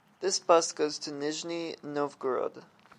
This bus goes to Nizhniy Novgorod.